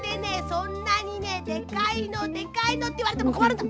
そんなにねでかいのでかいのっていわれてもこまるんだ！